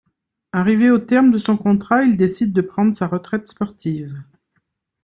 Arrivé au terme de son contrat, il décide de prendre sa retraite sportive.